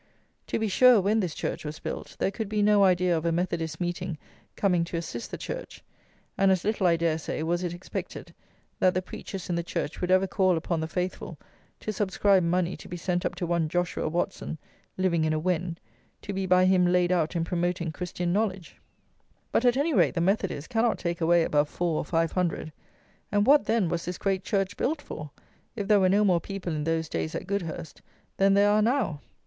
To be sure, when this church was built, there could be no idea of a Methodist meeting coming to assist the church, and as little, I dare say, was it expected that the preachers in the church would ever call upon the faithful to subscribe money to be sent up to one Joshua Watson (living in a Wen) to be by him laid out in "promoting Christian knowledge;" but, at any rate, the Methodists cannot take away above four or five hundred; and what, then, was this great church built for, if there were no more people, in those days, at Goudhurst, than there are now?